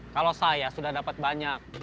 kalau saya sudah dapat banyak